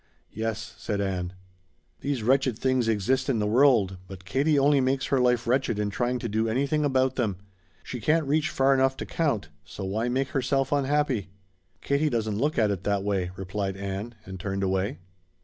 "Yes," said Ann. "These wretched things exist in the world, but Katie only makes her own life wretched in trying to do anything about them. She can't reach far enough to count, so why make herself unhappy?" "Katie doesn't look at it that way," replied Ann, and turned away.